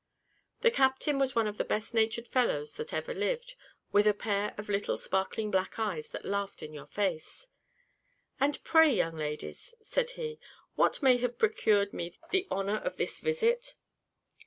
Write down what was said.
The captain was one of the best natured fellows that ever lived, with a pair of little sparkling black eyes that laughed in your face. "And pray, young ladies," said he, "what may have procured me the honour of this visit?"